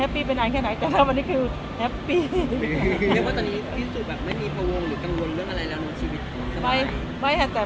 ไม่มีถึงประวงกังวลเรื่องราวนูตชีวิต